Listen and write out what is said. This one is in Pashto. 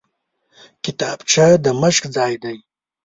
کتابچه د مشق ځای دی